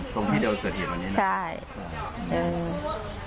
ตรงที่เดียวเกิดเหยียดวันนี้นะครับใช่อืม